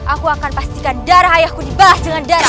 aku akan pastikan darah ayahku dibahas dengan darah